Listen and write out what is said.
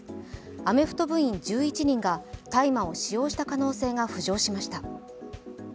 アメフト部員１１人が大麻を使用した可能性が浮上しました。